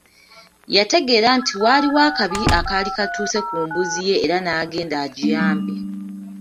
Yategeera nti waaliwo akabi akaali katuuse ku mbuzi ye era n'agende agiyambe.